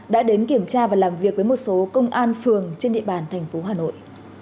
đã đến kiểm tra và làm việc với một số công an phường trên địa bàn thành phố hà nội